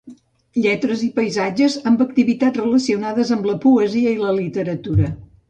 Lletres i Paisatges, amb activitats relacionades amb la poesia i la literatura.